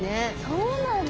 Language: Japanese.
そうなんだ。